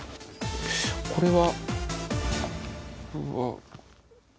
これは。